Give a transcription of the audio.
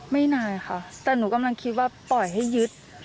ไม่นานค่ะแต่หนูกำลังคิดว่าปล่อยให้ยึด